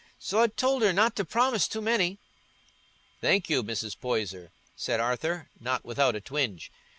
So I told her not to promise too many." "Thank you, Mrs. Poyser," said Arthur, not without a twinge.